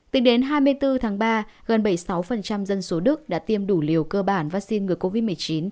tính đến hai mươi bốn tháng ba gần bảy mươi sáu dân số đức đã tiêm đủ liều cơ bản vaccine ngừa covid một mươi chín